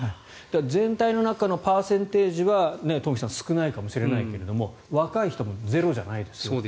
全体の中のパーセンテージは少ないかもしれないけれど若い人もゼロじゃないですよと。